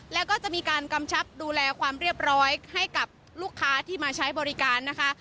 แล้วก็จะมีการกำชับดูแลความเรียบร้อยให้กับลูกค้าที่มาใช้บริการนะคะ